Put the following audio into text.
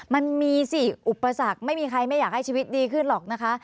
มันมีสิอุปสรรคไม่มีใครไม่อยากให้ชีวิตดีขึ้นหรอกนะคะ